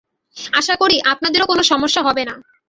আশা করি, আপনাদেরও কোনো সমস্যা হবে না।